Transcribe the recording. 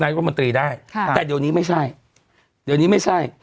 รัฐมนตรีได้ค่ะแต่เดี๋ยวนี้ไม่ใช่เดี๋ยวนี้ไม่ใช่